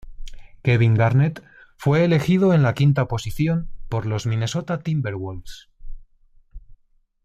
Kevin Garnett fue elegido en la quinta posición por los Minnesota Timberwolves.